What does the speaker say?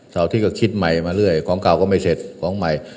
อาทิตย์ก็คิดใหม่มาเรื่อยของเก่าก็ไม่เสร็จของใหม่